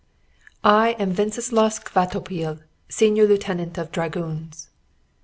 "I am Wenceslaus Kvatopil, senior lieutenant of dragoons."